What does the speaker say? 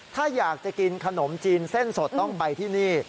ถ้าอยากจะกินขนมจีนเส้นสดต้องไปที่นี่